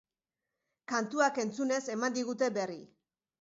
Kantuak entzunez eman digute berri.